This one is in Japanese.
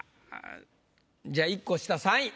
じゃあ１個下３位。